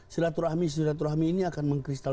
silaturahmi silaturahmi ini akan mengkristal